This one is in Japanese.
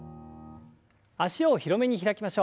脚を広めに開きましょう。